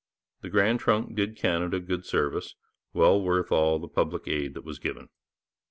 The Grand Trunk did Canada good service, well worth all the public aid that was given.